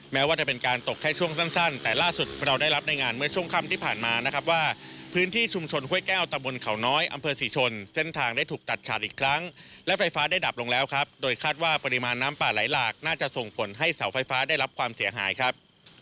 แม้ว่าจะเป็นการตกแค่ช่วงสั้นแต่ล่าสุดเราได้รับในงานเมื่อช่วงค่ำที่ผ่านมานะครับว่าพื้นที่ชุมชนห้วยแก้วตะบนเขาน้อยอำเภอศรีชนเส้นทางได้ถูกตัดขาดอีกครั้งและไฟฟ้าได้ดับลงแล้วครับโดยคาดว่าปริมาณน้ำป่าไหลหลากน่าจะส่งผลให้เสาไฟฟ้าได้รับความเสียหายครับ